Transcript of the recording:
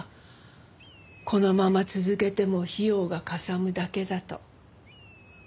このまま続けても費用がかさむだけだと。